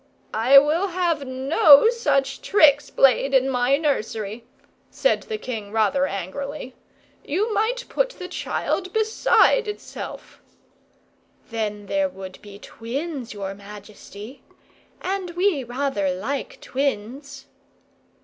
"I will have no such tricks played in my nursery," said the king, rather angrily. "You might put the child beside itself." "Then there would be twins, your majesty. And we rather like twins."